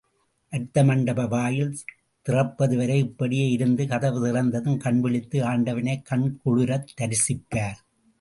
அர்த்தமண்டப வாயில் திறப்பது வரை இப்படியே இருந்து கதவு திறந்ததும் கண்விழித்து ஆண்டவனைக் கண் குளிரத் தரிசிப்பார்.